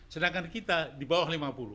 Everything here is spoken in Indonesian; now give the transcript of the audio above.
sedangkan kita di bawah lima puluh